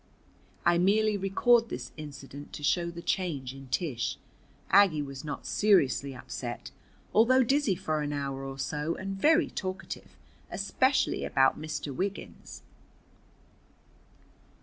I merely record this incident to show the change in Tish. Aggie was not seriously upset, although dizzy for an hour or so and very talkative, especially about Mr. Wiggins.